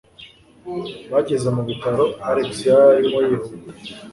Bageze mu bitaro, Alex yarimo yihuta.